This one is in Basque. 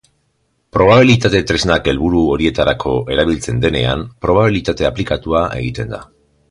Probabilitate tresnak helburu horietarako erabiltzen denean, probabilitate aplikatua egiten da.